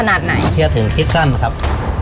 เลยเกลือถึงคิดสั้นครับ